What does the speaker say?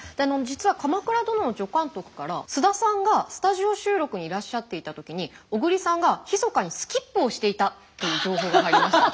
実は「鎌倉殿」の助監督から菅田さんがスタジオ収録にいらっしゃっていた時に小栗さんがひそかにスキップをしていたという情報が入りました。